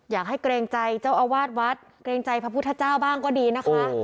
เกรงใจเจ้าอาวาสวัดเกรงใจพระพุทธเจ้าบ้างก็ดีนะคะ